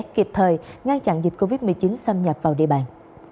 kịp thời ngăn chặn dịch covid một mươi chín xâm nhập vào địa bàn